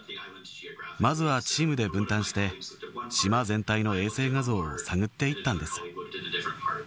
まずはチームで分担して、島全体の衛星画像を探っていったんです。